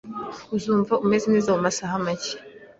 Uzumva umeze neza mumasaha make.